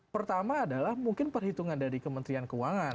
pertama adalah mungkin perhitungan dari kementerian keuangan